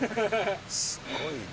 すごいな。